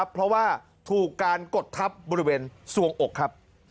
เพราะว่าถูกการกดทับบริเวณส่วงอกครับ